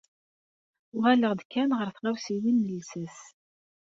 Uɣaleɣ-d kan ɣer tɣawsiwin n llsas.